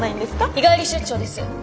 日帰り出張です。